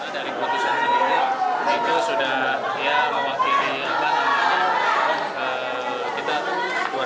dari putusan tersebut itu sudah mewakili kita luar biasa